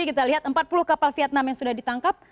kita lihat empat puluh kapal vietnam yang sudah ditangkap